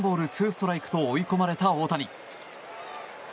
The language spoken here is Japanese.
２ストライクと追い込まれた大谷。